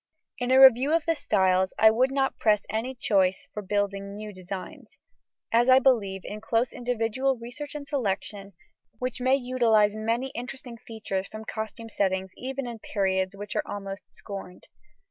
In a review of the styles I would not press any choice for building new designs, as I believe in close individual research and selection, which may utilise many interesting features from costume settings even in periods which are almost scorned.